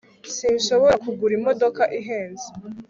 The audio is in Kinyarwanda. sinshobora kugura imodoka ihenze